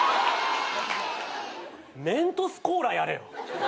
メントスコーラやれよ。